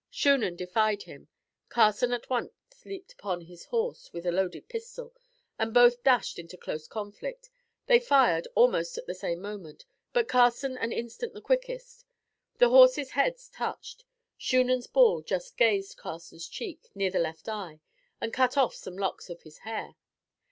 Shunan defied him. Carson at once leaped upon his horse, with a loaded pistol, and both dashed into close conflict. They fired, almost at the same moment, but Carson an instant the quickest. Their horses' heads touched. Shunan's ball just grazed Carson's cheek, near the left eye, and cut off some locks of his hair.